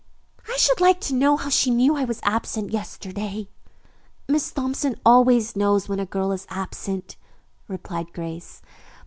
I should like to know how she knew I was absent yesterday." "Miss Thompson always knows when a girl is absent," replied Grace.